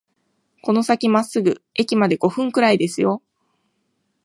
この先まっすぐ、駅まで五分くらいですよ